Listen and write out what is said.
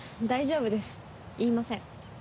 大丈夫です言いません。